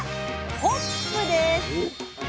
「ホップ」です。